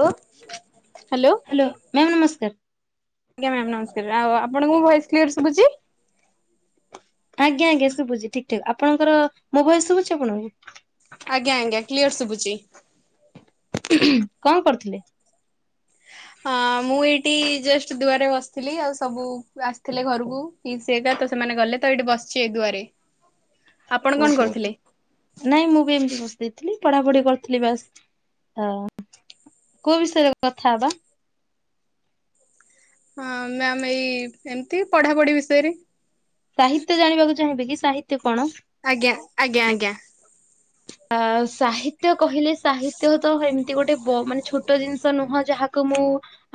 ଲୋ hello ma'am ନମସ୍କାର। ଆଜ୍ଞା ma'am ନମସ୍କାର, ଆଉ ଆପଣଙ୍କୁ ମୁ ଭଏସ୍ କ୍ଲିୟର ଶୁଭୁଛି। ଆଜ୍ଞା ଆଜ୍ଞା ଶୁଭୁଛି ଠିକ ଠାକ ଆପଣଙ୍କର ମୋ ଭୟସ ଶୁଭୁଛି ଆପଣଙ୍କୁ। ଆଜ୍ଞା ଆଜ୍ଞା କ୍ଲିୟର ଶୁଭୁଛି। କଁ କରୁଥିଲେ? ହଁ ମୁଁ ଏଇଠି ଜଷ୍ଟ ଦୁଆରେ ବସିଥିଲି ଆଉ ସବୁ ଆସିଥିଲେ ଘରୁକୁ। ପିଇସି ଏକା ତ ସେମାନେ ଗଲେ ତ ଏଇଠି ବସିଛି ଏ ଦୁଆରେ। ଆପଣ କଣ ଓହୋହୋ। କରୁଥିଲେ? ନାଇଁ ମୁଁ ବି ଏମିତି ବସି ଦେଇଥିଲି ପଢାପଢି କରିଥିଲି ବାସ ହ। କୋଉ ବିଷୟରେ କଥା ହବା। ହଁ ମ୍ୟାମ ଏଇ ଏମିତି ପଢାପଢି ବିଷୟରେ। ସାହିତ୍ୟ ଜାଣିବାକୁ ଚାହିଁବେ କି ସାହିତ୍ୟ କଣ? ଆଜ୍ଞା ଆଜ୍ଞା ଆଜ୍ଞା। ଆ ସାହିତ୍ୟ କହିଲେ ସାହିତ୍ୟ ତ ଏମି ତି ଗୋଟେ ବ ମାନେ ଛୋଟ ଜିନିଷ ନୁହଁ ଯାହାକୁ ମୁଁ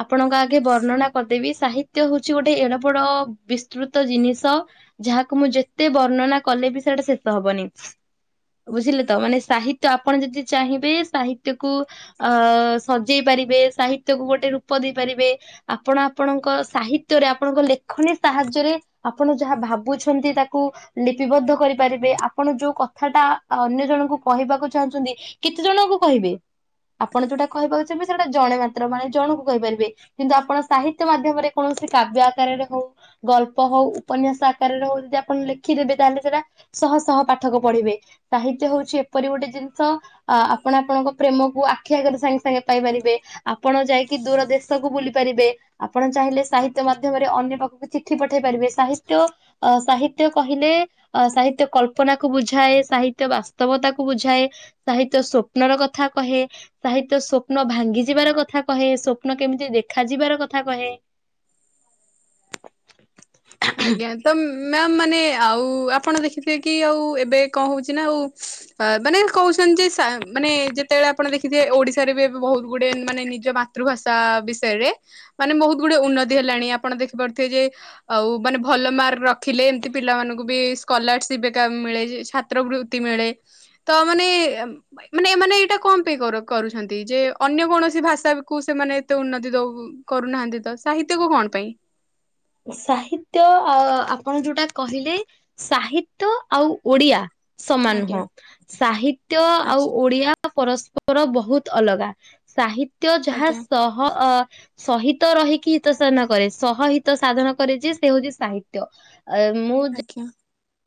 ଆପଣଙ୍କ ଆଗେ ବର୍ଣ୍ଣନା କରିଦେବି ସାହିତ୍ୟ ହଉଛି ଗୋଟେ ଏଡ ବଡ ବିସ୍ତୃତ ଜିନିଷ। ଯାହାକୁ ମୁଁ ଯେତେ ବର୍ଣ୍ଣନା କଲେ ବି ସେଇଟା ଶେଷ ହବନି। ବୁଝିଲେ ତ ମାନେ ସାହିତ୍ୟ ଆପଣ ଯଦି ଚାହିଁବେ ସାହିତ୍ୟକୁ ଅ ସଜେଇ ପାରିବେ ସାହିତ୍ୟକୁ ଗୋଟେ ରୂପ ଦେଇପାରିବେ। ଆପଣ ଆପଣଙ୍କ ସାହିତ୍ୟରେ ଆପଣଙ୍କ ଲେଖନୀ ସାହାଯ୍ୟରେ ଆପଣ ଯାହା ଭାବୁଛନ୍ତି ତାକୁ ଲିପିବଦ୍ଧ କରିପାରିବେ ଆପଣ ଯୋଉ କଥାଟା ଆଉ ଅନ୍ୟ ଜଣଙ୍କୁ କହିବାକୁ ଚାହୁଁଛନ୍ତି କେତେ ଜଣଙ୍କୁ କହିବେ। ଆପଣ ଯୋଉଟା କହିପାରୁଥିବେ ସେଟା ଜଣେ ମାତ୍ର ମାନେ ଜଣଙ୍କୁ କହିପାରିବେ। କିନ୍ତୁ ଆପଣ ସାହିତ୍ୟ ମାଧ୍ୟମରେ କୌଣସି କାବ୍ୟ ଆକାରରେ ହଉ ଗଳ୍ପ ହଉ, ଉପନ୍ୟାସ ଆକାରରେ ହଉ ଯଦି ଆପଣ ଲେଖିଦେବେ ତାହେଲେ ସେଟା ସହ ସହ ପାଠକ ପଢ଼ିବେ। ସାହିତ୍ୟ ହଉଛି ଏପରି ଗୋଟେ ଜିନିଷ ଅ ଆପଣ ଆପଣଙ୍କ ପ୍ରେମକୁ ଆଖି ଆଗରେ ସାଙ୍ଗେ ସାଙ୍ଗେ ପାଇପାରିବେ ଆପଣ ଯାଇକି ଦୂର ଦେଶକୁ ବୁଲି ପାରିବେ। ଆପଣ ଚାହିଁଲେ ସାହିତ୍ୟ ମାଧ୍ୟମରେ ଅନ୍ୟ ପାଖକୁ ଚିଠି ପଠେଇ ପାରିବେ। ସାହିତ୍ୟ ଅ ସାହିତ୍ୟ କହିଲେ, ଅ ସାହିତ୍ୟ କଳ୍ପନାକୁ ବୁଝାଏ। ସାହି ତ୍ୟ ବାସ୍ତବତାକୁ ବୁଝାଏ। ସାହିତ୍ୟ ସ୍ୱପ୍ନର କଥା କହେ। ସାହିତ୍ୟ ସ୍ୱପ୍ନ ଭାଙ୍ଗି ଯିବାର କଥା କହେ, ସ୍ୱପ୍ନ କେମିତି ଦେଖା ଯିବାର କଥା କହେ? ଆଜ୍ଞା, ତ ମ୍ୟାମ୍ ମାନେ ଆଉ ଆପଣ ଦେଖିଥିବେ କି ଆଉ ଏବେ କଣ ହଉଛି ନା, ଆଉ ଅ ମାନେ କହୁଛନ୍ତି ଯେ ସେ ମାନେ, ଯେତେବେଳେ ଆପଣ ଦେଖିଥିବେ ଓଡ଼ିଶାରେ ବି ଏବେ ବହୁତ ଗୁଟେ ମାନେ ନିଜ ମାତୃଭାଷା ବିଷୟରେ ମାନେ ବହୁତ ଗୁଡ଼େ, ଉନ୍ନତି ହେଲାଣି। ଆପଣ ଦେଖିପାରୁଥିବେ ଯେ ଆଉ ମାନେ ଭଲ ମାର୍କ ରଖିଲେ, ଏମିତି ପିଲାମାନଙ୍କୁ ବି ସ୍କଲାରସିପ୍ ଏକା ମିଳେ ଯେ ଛା ତ୍ର ବୃତ୍ତି ମିଳେ। ତ ମାନେ-ଏମ୍ ମାନେ ଏମାନେ ଏଇଟା କଣ ପାଇଁ କର-କରୁଛନ୍ତି, ଯେ ଅନ୍ୟ କୌଣସି ଭାଷା କୁ ସେମାନେ ଏତେ ଉନ୍ନତି ଦଉ କରୁନାହାଁନ୍ତି ତ, ସାହିତ୍ୟକୁ କଣ ପାଇଁ? ସାହିତ୍ୟ ଆ-ଆପଣ ଯୋଉଟା କହିଲେ, ସାହିତ୍ୟ ଆଉ ଓଡ଼ିଆ ସମାନ ଆଜ୍ଞା ନୁହଁ। ସାହିତ୍ୟ ଆଉ ଆଚ୍ଛା ଓଡ଼ିଆ ପରସ୍ପର ବହୁତ ଅଲଗା। ସାହିତ୍ୟ ଯାହା ଆଜ୍ଞା ସହ ହଅ ସହିତ ରହିକି ହିତସାନ କରେ, ସହହିତ ହିତ ସାଧନ କରେ ଯେ, ସେ ହଉଛି ସାହିତ୍ୟ। ଆ ମୁଁ ଜ୍ଞା।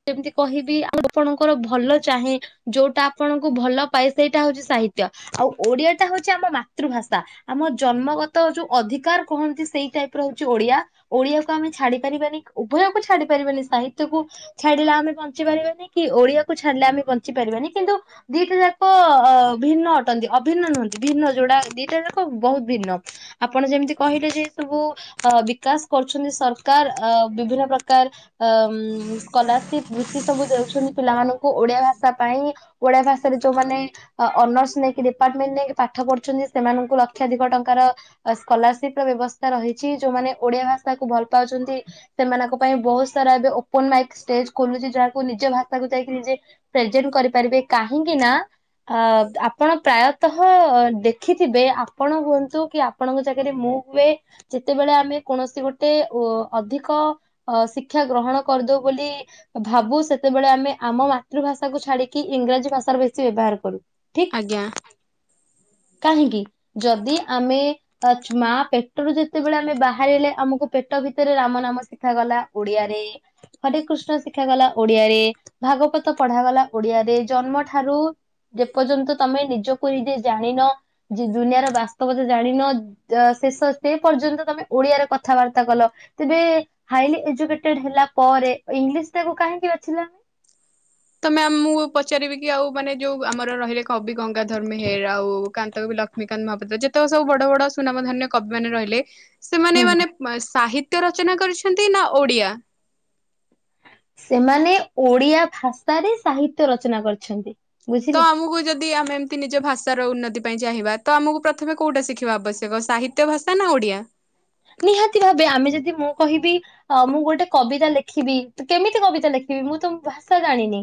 କେମିତି କହିବି, ଆପଣଙ୍କର ଭଲ ଚାହେଁ। ଯୋଉଟା ଆପଣଙ୍କୁ ଭଲ ପାଏ। ସେଇଟା ହଉଛି ସାହିତ୍ୟ। ଆଉ ଓଡ଼ିଆଟା ହେଉଛି ଆମ ମାତୃଭାଷା। ଆମ ଜନ୍ମଗତ ଯୋଉ ଅଧିକାର କୁହନ୍ତି ସେଇ ଟାଇପ୍ ର ହଉଛି ଓଡ଼ିଆ। ଓଡ଼ିଆକୁ ଆମେ ଛାଡ଼ି ପାରିବାନି। ଉଭୟକୁ ଛାଡ଼ି ପାରିବାନି ସାହିତ୍ୟକୁ ଛାଡ଼ିଲେ ଆମେ ବଞ୍ଚି ପାରିବାନି କି, ଓଡ଼ିଆକୁ ଛାଡ଼ିଲେ ଆମେ ବଞ୍ଚି ପାରିବାନି। କିନ୍ତୁ ଦିଟା ଯାକ ଅ ଭିନ୍ନ ଅଟନ୍ତି। ଅ ଭିିନ୍ନ ନୁହନ୍ତି। ଭିନ୍ନ ଯୋଉଟା ଦିଟା ଯାକ ବହୁତ୍ ଭିନ୍ନ। ଆପଣ ଯେମିତି କହିଲେ ଯେ, ସବୁ ଅ ବିକାଶ କରୁଛନ୍ତି ସରକାର। ଅ ବିଭିନ୍ନ ପ୍ରକାର ଅମ୍ କଲାରସିପ୍ ବୃତ୍ତି ସବୁ ଦେଉଛନ୍ତି, ପିଲାମାନଙ୍କୁ ଓଡ଼ିଆ ଭାଷା ପାଇଁ। ଓଡ଼ିଆ ଭାଷାରେ ଯୋଉମାନେ ଅନର୍ସ ନେଇକି ଡିପାର୍ଟମେଣ୍ଟ ନେଇକି ପାଠ ପଢୁଛନ୍ତି। ସେମାନଙ୍କୁ ଲକ୍ଷାଧିକ ଟଙ୍କାର ସ୍କଲାରସିପ୍ ର ବ୍ୟବସ୍ଥା ରହିଛି। ଯୋଉମାନେ ଓଡ଼ିଆ ଭାଷାକୁ ଭଲ ପାଉଛନ୍ତି। ସେମାନଙ୍କ ପାଇଁ ବହୁତ ସାରା ଏବେ ଓପନ୍ ମାଇକ୍ ଷ୍ଟେଜ ଖୋଲୁଛି। ଯାହାକୁ ନିଜ ଭାଷାକୁ ଯାଇକି ନିଜେ ପ୍ରେଜେଣ୍ଟ କରିପାରିବେ। କାହିଁକି ନା ଆ ଆପଣ ପ୍ରାୟତଃ ଦେଖିଥିବେ ଆପଣ ହୁଅନ୍ତୁ କି ଆପ୍ ଆପଣଙ୍କ ଜାଗାରେ ମୁଁ ହୁଏ। ଯେତେବେଳେ ଆମେ କୌଣସି ଗୋଟେ ଓ-ଅଧିକ ଅ ଶିକ୍ଷା ଗ୍ରହଣ କରିଦଉ। ବୋଲି। ଭାବୁ ସେତେବେଳେ, ଆମେ ଆମ ମାତୃଭାଷାକୁୁ ଛାଡ଼ିକି ଇଂରାଜୀ ଭାଷାର ବେଶୀ ବ୍ୟବହାର କରୁ। ଠିକ। ଆଜ୍ଞା। କାହିଁକି ଯଦି ଆମେ ଆଛା, ମା ପେଟରୁ ଯେତେବେଳେ ଆମେ ବାହାରିଲେ ଆମକୁ ପେଟ ଭିତରେ ରାମ ନାମ ଶିଖାଗଲା ଓଡିଆରେ। ହରେ କୃଷ୍ଣ ଶିଖାଗଲା ଓଡିଆରେ, ଭାଗବତ ପଢାଗଲା ଓଡିଆରେ, ଜନ୍ମ ଠାରୁ ଯେପର୍ଯ୍ୟନ୍ତ ତମେ ନିଜକୁ ନିଜେ ଜାଣିନ। ଯି ଦୁନିଆର ବାସ୍ତବତା ଜାଣିନ। ଯ ଶେଷ ସେ ପର୍ଯ୍ୟନ୍ତ ତମେ ଓଡିଆରେ କଥାବାର୍ତ୍ତା କଲ। ତେବେ ହାଇଲି ଏଜୁକେଟେଡ୍ ହେଲା ପରେ, ଇଂଲିଶଟାକୁ କାହିଁକି ବାଛିଲ? ତ ମ୍ୟାମ୍ ମୁଁ ପଚାରିବି କି ଆଉ ମାନେ, ଯୋଉ ଆମର ରହିଲେ କବି ଗଙ୍ଗାଧର ମେହେର। ଆଉ କାନ୍ତ ଲକ୍ଷ୍ମୀକାନ୍ତ ମହାପାତ୍ର। ଯେତେକ ସବୁ ବଡ ବଡ ସୁନାମ ଧାନ୍ୟ କବିମାନେ ରହିଲେ, ସେମାନେ ହୁଁ ହୁଁ ମାନେ ମା ସାହିତ୍ୟ ରଚନା କରିଛନ୍ତି ନା ଓଡ଼ିଆ! ସେମାନେ ଓଡିଆ ଭାଷାରେ, ସାହିତ୍ୟ ରଚନା କରିଛନ୍ତି। ବୁଝିଲେ। ତ ଆମକୁ ଯଦ ଦି ଆମେ ଏମିତି ନିଜ ଭାଷାର ଉନ୍ନତି ପାଇଁ ଚାହିଁବା ତ ଆମକୁ ପ୍ରଥମେ କୋଉଟା ଶିଖିବା ଆବଶ୍ୟକ ସାହିତ୍ୟ ଭାଷା ନା ଓଡିଆ? ନିହାତି ଭାବେ ଆମେ ଯଦି ମୁଁ କହିବି ଅ, ମୁଁ ଗୋଟେ କବିତା ଲେଖିବି କେମିତି କବିତା ଲେଖିବି ମୁଁ ତ ଭାଷା ଜାଣିନି।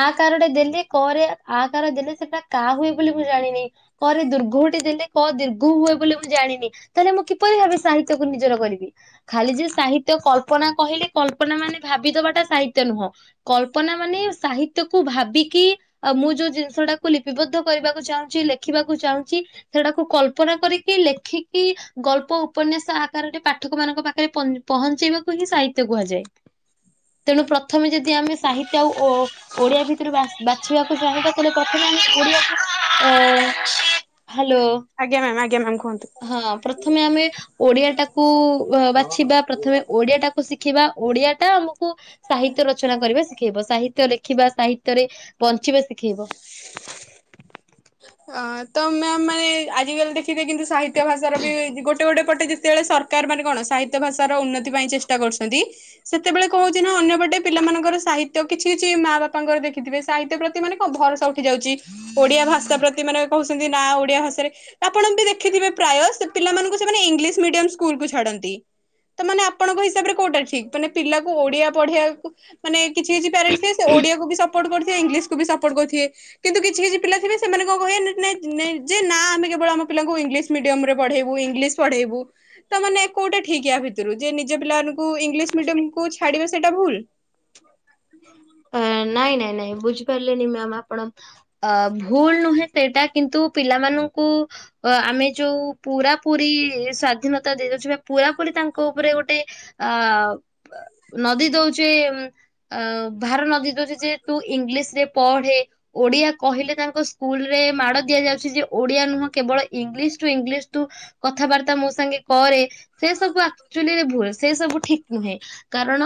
ଆ କାର ଟେ ଦେଲେ କରେ ଆ କାର ଦେଲେ ସେଟା କା ହୁଏ ବୋଲି ମୁଁ ଜାଣିନି। କରେ ଦୀର୍ଘଉ ଟି ଦେଲେ କ ଦୀର୍ଘଉ ହୁଏ ବୋଲି ମୁଁ ଜାଣିନି, ତାହେଲେ ମୁଁ କି ପରି ଭାବେ ସାହିତ୍ୟକୁ ନିଜର କରିବି। ଖାଲି ଯେ ସାହିତ୍ୟ କଳ୍ପନା କହିଲେ କଳ୍ପନା ମାନେ ଭାବିଦବା ଟା ସାହିତ୍ୟ ନୁହଁ। କଳ୍ପନା ମାନେ ସାହିତ୍ୟକୁୁ ଭାବିକି ଆଉ ମୁଁ ଯୋଉ ଜିନିଷ ଟାକୁ ଲିପିବଦ୍ଧ କରିବାକୁ ଚାହୁଁଛି, ଲେଖିବାକୁ ଚାହୁଁଚି। ସେଟାକୁ କଳ୍ପନା କରିକି ଲେଖିକି ଗଳ୍ପ ଉପନ୍ୟାସ ଆକାରରେ ପାଠକ ମାନଙ୍କ ପାଖରେ ପନ୍ ପହଞ୍ଚେଇବାକୁ ହିଁ ସାହିତ୍ୟ କୁହାଯାଏ। ତେଣୁ ପ୍ରଥମେ ଯଦି ଆମେ ସାହିତ୍ଯ ଆଉ ଓ ଓଡିଆ ଭିତରୁ ବା- ବାଛିବାକୁ ଚାହିଁବା ତାହେଲେ ପ୍ରଥମେ ଆମେ ଓଡିଆକୁ ଅ, ହାଲୋ। ଆଜ୍ଞା ମ୍ୟାମ୍, ଆଜ୍ଞା ମ୍ୟାମ୍ କୁହନ୍ତୁ। ଥମେ ଆମେ ଓଡିଆ ଟାକୁ ଓ ବାଛିବା, ପ୍ରଥମେ ଓଡିଆ ଟା ତ ଶିଖିବା, ଓଡିଆ ଟା ଆମକୁ ସାହିତ୍ୟ ରଚନା କରିବା ଶିଖେଇବ। ସାହିତ୍ୟ ଲେଖିବା, ସାହିତ୍ୟରେ ବଞ୍ଚିବା ଶିଖେଇବ। ଅ, ତ ମ୍ୟାମ୍ ମାନେ ଆଜିକାଲି ଦେଖିବେ କିନ୍ତୁ ସାହିତ୍ୟ ଭାଷାର ବି ଗୋଟେ ଗୋଟେ ପଟେ ଯେ ତେବେଳେ ସରକାର ମାନେ କଣ ସାହିତ୍ୟ ଭାଷା ର ଉନ୍ନତି ପାଇଁ ଚେଷ୍ଟା କରୁଛନ୍ତି। ସେତେବେଳେ କଣ ହଉଛି ନା ଅନ୍ୟପଟେ ପିଲାମାନଙ୍କର ସାହିତ୍ୟ କିଛି କିଛି ମା ବାପାଙ୍କର ଦେଖିଥିବେ ସାହିତ୍ୟ ପ୍ର ତି ମାନେ କଣ ଭରସା ଉଠି ଯାଉଛି। ଓଡିଆ ଭାଷା ପ୍ରତି ମାନେ କହୁଛନ୍ତି ନା ଓଡିଆ ଭାଷାରେ ଆପଣ ବି ଦେଖିଥିବେ ପ୍ରାୟ ସେ ପିଲାମାନଙ୍କୁ ସେମାନେ ଇଂଲିଶ ମିଡିୟମ୍ ସ୍କୁଲ୍ କୁ ଛାଡନ୍ତି। ତ ମାନେ ଆପଣଙ୍କ ହିସାବରେ କୋଉଟା ଠିକ୍? ମାନେ ପିଲାକୁ ଓଡିଆ ପଢିବାକୁ ମାନେ କିଛି କିଛି ପ୍ୟାରେଟ୍ସ ଥିବେ ସେ ଓଡିଆକୁ ବି ସ ପୋର୍ଟ କରିଥିବେ, ଇଂଲିଶ କୁ ବି ସପୋର୍ଟ କରିଥିବେ, କିନ୍ତୁ କିଛି କିଛି ପିଲା ଥିବେ ସେମାନେ ତ କହେ ନ-ନାଇଁ ନାଇଁ ଯେ ନା ଆମେ କେବଳ ଆମ ପିଲାଙ୍କୁ ଇଂଲିଶ ମିଡିୟମ୍ ରେ ପଢେଇବୁ, ଇଂଲିଶ ପଢେଇବୁ। ତ ମାନେ କୋଉଟା ଠିକ୍ ୟା ଭିତରୁ ଯେ ନିଜ ପିଲାମାନଙ୍କୁ ଇଂଲିଶ ମିଡିୟମ୍ କୁୁ ଛାଡିବା ସେଟା ଭୁଲ? [inaudible] ଏ ନାଇଁ, ନାଇଁ, ନାଇଁ ବୁଝିପାରଲେନି ମ୍ୟାମ୍ ଆପଣ। ଅ, ଭୁଲ ନୁହେଁ ସେଇଟା, କିନ୍ତୁ ପିଲାମାନଙ୍କୁ ଅ, ଆମେ ଯୋଉ ପୁରାପୁରି ସ୍ଵାଧୀନତା ଦେଇଦେଉଛୁ ବା ପୁରାପୁରି ତାଙ୍କ ଉପରେ ଗୋଟେ ଆ, ବ- ନଦି ଦଉଛେ ଉଁ, ଆଉ ଭାର ନଦି ଘରେ ଯେହେତୁ ଇଂଲିଶ ରେ ପଢେ ଓଡିଆ କହିଲେ ତାଙ୍କ ସ୍କୁଲ୍ ରେ ମାଡ଼ ଦିଆଯାଉଛି ଯେ ଓଡିଆ ନୁହଁ କେବଳ ଇଂଲିଶ ଟୁ ଇଂଲିଶ ତୁ କଥାବାର୍ତ୍ତା ମୋ ସାଙ୍ଗେ କରେ, ସେ ସବୁ ଆକ୍ଚୁଲି ଭୁଲ, ସେ ସବୁ ଠିକ୍ ନୁହେଁ, ଅ, କାରଣ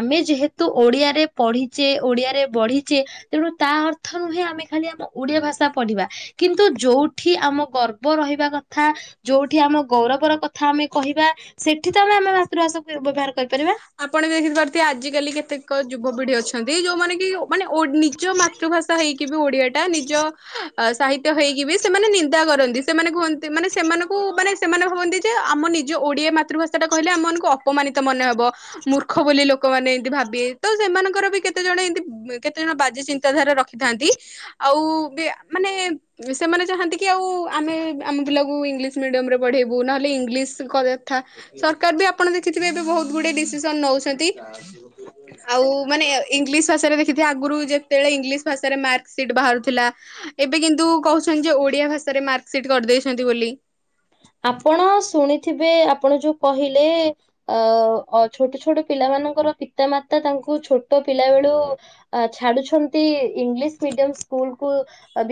ଆମେ ଯେହେତୁ ଓଡିଆରେ ପଢି ଚେ ଓଡିଆରେ ବଢିଚେ, ତେଣୁ ତା ଅର୍ଥ ନୁହେଁ ଆମେ ଖାଲି ଆମ ଓଡିଆ ଭାଷା ପଢିବା। କିନ୍ତୁ ଯୋଉଠି ଆମ ଗର୍ବ ରହିବା କଥା ଯୋଉଠି ଆମ ଗୌରବର କଥା ଆମେ କହିବା ସେଠି ତ ଆମେ ଆମେ ମାତୃଭାଷା କୁ ବ୍ୟବହାର କରିପାରିବା। ଆପଣ ବି ଦେଖିପାରୁଥିବେ ଆଜିିକାଲି କେତେକ ଯୁବପିଢି ଅଛନ୍ତି, ଏଇ ଯୋଉମାନେ କି ଓ ମାନେ ଓ ନିଜ ମାତୃଭାଷା ହେଇକି ବି ଓଡିଆ ଟା ନିଜ ଅ, ସାହିତ୍ୟ ହେଇକି ବି ସେମାନେ ନି ଦା କରନ୍ତି, ସେମାନେ କୁହନ୍ତି ମାନେ ସେମାନଙ୍କୁ ମାନେ ସେମାନେ ଭାବନ୍ତି ଯେ ଆମ ନିଜ ଓଡ଼ିଆ ମାତୃଭାଷା ଟା କହିଲେ ଆମମାନଙ୍କୁ ଅ ପମାନିତ ମନେ ହବ। ମୂର୍ଖ ବୋଲି ଲୋକମାନେ ଏମତି ଭାବିବେ। ତ ସେମାନଙ୍କର ବି କେତେ ଜଣ ଏମତି ଏ କେତେ ଜଣ ବାଜେ ଚିନ୍ତାଧାରା ର ଖିଥାନ୍ତି, ଆଉ ବି ମାନେ ଏ ସେମାନେ ଚାହାଁନ୍ତି କି ଆଉ ଆମେ ଆମ ପିଲାକୁ ଇଂଲିଶ ମିଡିୟମ୍ ରେ ପଢେଇବୁ। ନହେଲେ ଇଂଲିଶ କରେଥା ସରକାର ବି ଆପଣ ଦେଖିଥିବେ ଏବେ ବହୁତ ଗୁଡେ ଡିସିସନ୍ ନଉଛନ୍ତି। ଆଉ ମାନେ ଇଂଲିଶ ଭାଷାରେ ଦେଖିଥିବେ ଆଗରୁ ଯେତେବେଳେ ଇଂଲିଶ ଭାଷାରେ ମାର୍କସିଟ୍ ବାହାରୁଥିଲା। ଏବେ କିନ୍ତୁ କହୁଛନ୍ତି ଯେ ଓଡିଆ ଭାଷାରେ ମାର୍କସିଟ କରିଦେଇଛନ୍ତି ବୋଲି। ଆପଣ ଶୁଣିଥିବେ ଆପଣ ଯୋଉ କହିଲେ ଅ ଅ ଛୋଟ ଛୋଟ ପିଲାମାନଙ୍କର ପିତା ମାତା ତାଙ୍କୁ ଛୋଟ ପିଲା ବେଳୁ ଆ ଛାଡୁଛନ୍ତି ଇଂଲିଶ ମିଡିୟମ ସ୍କୁଲକୁ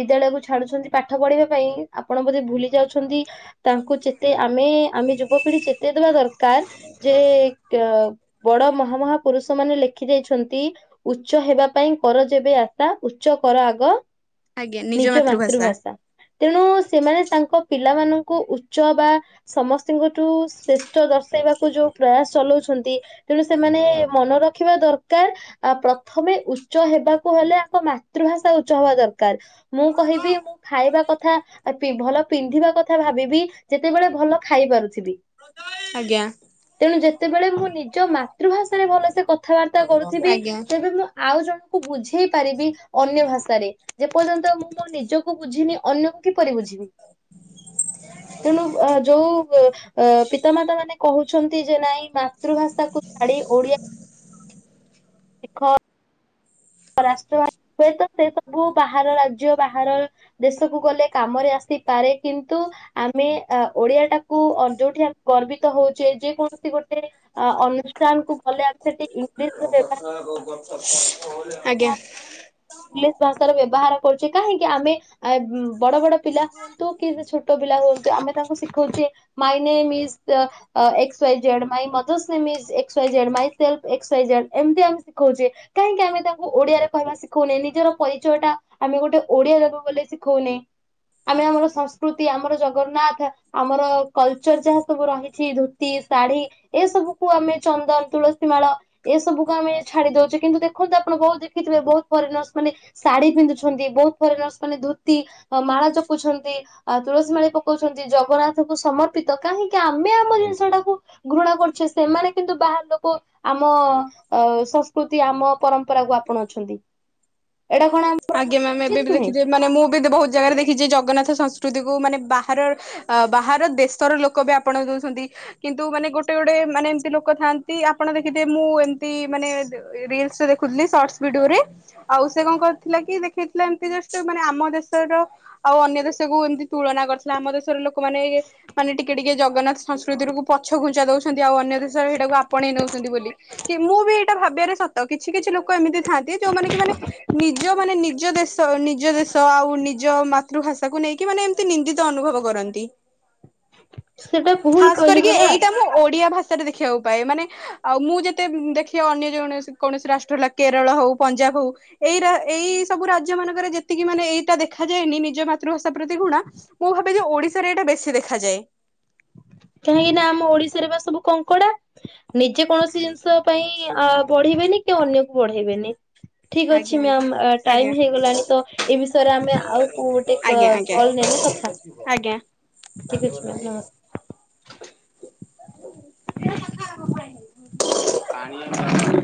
ବିଦ୍ୟାଳୟକୁ ଛାଡୁଛନ୍ତି ପାଠ ପଢିବା ପାଇଁ ଆପଣ ବୋଧେ ଭୁଲି ଯାଉଛନ୍ତି ତାଙ୍କୁ ଯେତେ ଆମେ ଆମେ ଯୁବପିଢି ଚେତେଇ ଦବା ଦରକାର। ଯେ ବଡ ମହାମହାପୁରୁଷ ମାନେ ଲେଖି ଯାଇଛନ୍ତି। ଉଚ୍ଚ ହେବା ପାଇଁ କର ଯେବେ ଆଶା ଉଚ୍ଚ କର ଆଗ ନିଜ ମାତୃଭାଷା। ତେଣୁ ସେମାନେ ତାଙ୍କ ପିଲାମାନୁ କୁ ଉଚ୍ଚ ବା ସମସ୍ତଙ୍କଠୁ ଶ୍ରେଷ୍ଠ ଦର୍ଶାଇବାକୁ ଯୋଉ ପ୍ରୟାସ ଚଲଉଛନ୍ତି। ତେଣୁ ସେମାନେ ମନ ରଖିବା ଦରକାର। ଆ ପ୍ରଥମେ ଉଚ୍ଚ ହେବାକୁ ହେଲେ ଆମ ମାତୃଭାଷା ଉଚ୍ଚ ହବା ଦରକାର। ମୁଁ କହିବି ମୁଁ ଖାଇବା କଥା ଭଲ ପିନ୍ଧିବା କଥା। କଥା ଭାବିବି ଯେତେବେଳେ ଭଲ ଖାଇ ପାରୁଥିବି। ଆଜ୍ଞା। ତେଣୁ ଯେତେବେଳେ ମୁଁ ନିଜ ମାତୃଭାଷାରେ ଭଲସେ କଥାବାର୍ତ୍ତା କରୁଥିବି ଆଜ୍ଞା ତେବେ ମୁଁ ଆଉ ଜଣଙ୍କୁ ବୁଝେଇ ପାରିବି ଅନ୍ୟ ଭାଷାରେ। ଯେ ପର୍ଯ୍ୟନ୍ତ ମୁଁ ମୋ ନିଜକୁ ବୁଝିନି ଅନ୍ୟକୁ କିପରି ବୁଝିବି? ତେଣୁ ଅ ଯୋଉ ଅ ପିତାମାତା ମାନେ କହୁଛନ୍ତି ଯେ ନାଇଁ ମାତୃଭାଷାକୁ ଛାଡି ଓଡିଆ ଦେଖ। ରାଷ୍ଟ୍ର ହୁଏ ତ ସେ ସବୁ ବାହାର ରାଜ୍ୟ ବାହାରର ଦେଶକୁ ଗଲେ କାମରେ ଆସିପାରେ କିନ୍ତୁ ଆମେ ଓଡିଆଟାକୁ ଯୋଉଠି ଆମେ ଗର୍ବିତ ହଉଛେ ଯେ କୌଣସି ଗୋଟେ ଅନୁଷ୍ଠାନକୁ ଗଲେ ଆମେ ସେଠି ଇଂଲିଶର ବ୍ୟବହାର ଘଟଣା [inaudible] ଇଂଲିଶ ଭାଷାର ବ୍ୟବହାର କରୁଛେ କାହିଁକି ଆମେ ବଡ ବଡ ପିଲା ଛୋଟ ପିଲା ହୁଅନ୍ତୁ ଆମେ ତାଙ୍କୁ ଶିଖଉଛେ my name is X Y Z my mother name is X Y Z myself X Y Z ଏମିତି ଆମେ ଶିଖଉଛେ। କାହିଁକି ଆମେ ତାଙ୍କୁ ଓଡିଆରେ କହିବା ଶିଖଉନେ ନିଜର ପରିଚୟଟା ଆମେ ଗୋଟେ ଓଡିଆ ତାକୁ ବୋଲି ଶିଖଉନେ। ଆମେ ଆମର ସଂସ୍କୃତି ଆମର ଜଗନ୍ନାଥ ଆମର କଲଚର ଯାହା ସବୁ ରହିଛି ଧୋତି ଶାଢୀ ଏ ସବୁକୁ ଆମେ ଚନ୍ଦନ ତୁଳସୀ ମାଳ ଏ ସବୁକୁ ଆମେ ଛାଡି ଦଉଛେ କିନ୍ତୁ ଦେଖନ୍ତୁ ଆମେ ଆପଣ ବହୁତ ଦେଖିଥିବେ ବହୁତ ଫରେନର୍ସ ମାନେ ଶଢୀ ପିନ୍ଧୁଛନ୍ତି ବହୁତ ଫରେନର୍ସ ମାନେ ଧୋତି ମାଳା ଜପୁଛନ୍ତି। ଆଉ ତୁଳସୀ ମାଳି ପକଉଛନ୍ତି ଜଗନ୍ନାଥଙ୍କୁ ସମର୍ପିତ କାହିଁକି ଆମେ ଆମ ଜିନିଷ ଟାକୁ ଘୃଣା କରୁଛେ ସେମାନେ କିନ୍ତୁ ବାହାର ଲୋକ ଆମ ସଂସ୍କୃତି ଆମ ପରମ୍ପରା ପରମ୍ପରାକୁ ଆପଣାଉଛନ୍ତି। ଆଜ୍ଞା ମ୍ୟାମ ଏବେ ବି ନୁହେଁ। ଦେଖିେଥିବେ ମାନେ ମୁଁ ବି ବହୁ ଜାଗାରେ ଦେଖି ଯେ ଜଗନ୍ନାଥ ସଂସ୍କୃତିକୁ ମାନେ ବାହାର ଅ ବାହାର ଦେଶର ଲୋକ ବି ଆପଣାଇ ଦଉଛନ୍ତି କିନ୍ତୁ ମାନେ ଗୋଟେ ଗୋଟେ ମାନେ ଏମତି ଲୋକ ଥାନ୍ତି ଆପଣ ଦେଖିଥିବେ ମୁଁ ଏମତି ମାନେ ରିଲସ ଦେଖ ଦେଖୁଥିଲି ସର୍ଟସ ଭିଡିଓରେ ଆଉ ସେ କଣକରୁଥିଲା କି ଦେଖେଇଥିଲା ଏମତି ଜଷ୍ଟ ଆମ ଦେଶର ଆଉ ଅନ୍ୟ ଦେଶକୁୁ ଏମିତି ତୁଳନା କରିଥିଲା ଆମ ଦେଶର ଲୋକମାନେ ମାନେ ଟିକେ ଟିକେ ଜଗନ୍ନାଥ ସଂସ୍କୃତିରକୁ ପଛଘୁଞ୍ଚା ଦଉଛନ୍ତି ଆଉ ଅନ୍ୟ ଦେଶର ସେଇଟାକୁ ଆପଣେଇ ନଉଛନ୍ତି ବୋଲି କି ମୁଁ ବି ଏଇଟା ଭାବିବାରେ ସତ କିଛି କିଛି ଲୋକ ଏମିତି ଥାନ୍ତି ଯୋଉମାନେ କି ମାନେ ନି ଯୋଉମାନେ ନିଜ ଦେଶ ନିଜ ଦେଶ ଆଉ ନିଜ ମାତୃଭାଷାକୁ ନେଇକି ମାନେ ଏମିତି ନିନ୍ଦି ତ୍ ଅନୁଭବ କରନ୍ତି। ହ [unintelligible] ଖାସ କରିକି ଏଇଟା ମୁଁ ଓଡିଆ ଭାଷାରେ ଦେଖିବାକୁ ପାଏ ମାନେ ଆଉ ମୁଁ ଯେତେ ଦେଖିବା ଅନ୍ୟଜଣେ କୌଣସି ରାଷ୍ଟ୍ର ହେଲା କେରଳ ହଉ ପଞ୍ଜାବ ହଉ ଏଇ ରା ଏଇ ସବୁ ରାଜ୍ୟ ମାନଙ୍କରେ ଯେତିକି ମାନେ ଏଇଟା ଦେଖାଯାଏନି ନିଜ ମାତୃଭାଷା ପ୍ରତି ଘୃଣା। ମୁଁ ଭାବେଯେ ଓଡିଶାରେ ଏଇଟା ବେଶୀ ଦେଖାଯାଏ। କାହିଁକି ନା ଆମ ଓଡିଶାରେ ପା ସବୁ କଙ୍କଡା। ନିଜେ କୌଣସି ଜିନିଷ ପାଇଁ ଅଁ ବଢିବେନି କି ଅନ୍ୟକୁ ବଢେଇବେନି। ଠିକ୍ ଆଜ୍ଞା ଅଛି ଆଜ୍ଞା ମ୍ୟାାମ ଆ ଆଜ୍ଞା ଟାଇମ ହେଇଗଲାଣି ତ ଏ ବିଷୟରେ ଆମେ ଆଉ କଉ ଆଜ୍ଞା ଆଜ୍ଞା ଆଜ୍ଞା। ଠିକ ଅଛି [inaudible] [unintelligible]